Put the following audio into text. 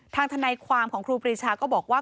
ทนายความของครูปรีชาก็บอกว่า